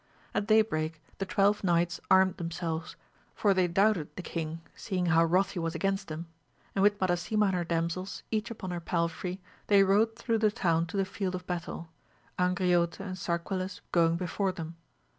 At day break the twelve knights armed themselves, for they doubted the king seeing how wroth he was against them, and with Madasima and her damsels, each upon her palfrey, they rode through the town to the field of battle, Angriote and Sarquiles going before them.